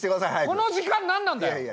この時間なんなんだよ！